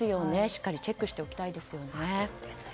しっかりチェックしておきたいですね。